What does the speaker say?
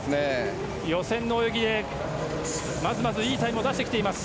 予選の泳ぎで、まずまずいいタイムを出してきています。